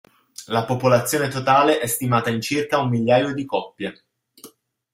La popolazione totale è stimata in circa un migliaio di coppie.